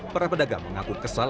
para pedagang mengaku kesal